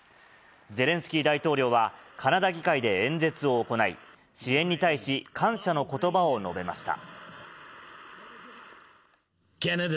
ゼレンスキー大統領は、カナダ議会で演説を行い、支援に対し感謝のことばを述べました。